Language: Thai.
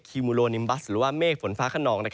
คิมูโลนิมบัสหรือหรือไม่กฝนฟ้ากะหนอง